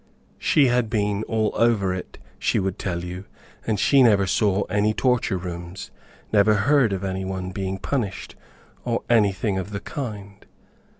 She had been all over it, she would tell you, and she never saw any torture rooms, never heard of any one being punished, or anything of the kind.